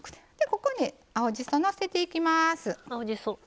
ここに青じそのせていきます。青じそ。